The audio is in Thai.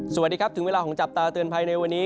สวัสดีครับถึงเวลาของจับตาเตือนภัยในวันนี้